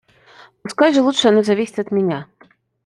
Пускай же лучше оно зависит от меня.